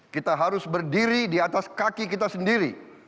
kita harus berdiri di atas kaki kita sendiri